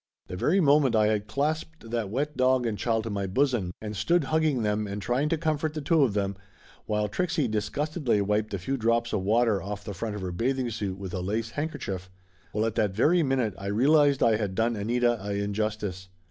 The very moment I had clasped that wet dog and child to my bosom, and stood hugging them and trying to comfort the two of them, while Trixie disgustedly wiped a few drops of water off the front of her bath ing suit with a lace handkerchief well, at that very minute I realized I had done Anita a injustice.